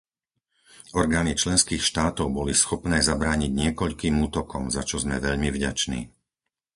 Orgány členských štátov boli schopné zabrániť niekoľkým útokom, za čo sme veľmi vďační.